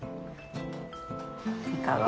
いかが？